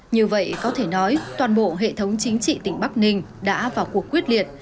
như vậy có thể nói toàn bộ hệ thống chính trị tỉnh bắc ninh đã vào cuộc quyết liệt